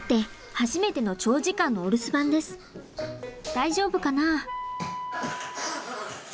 大丈夫かな？